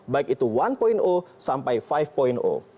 baik itu satu sampai lima